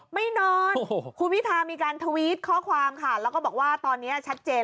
ไม่นอนคุณวิทามีการทวิตข้อความค่ะแล้วก็บอกว่าตอนนี้ชัดเจน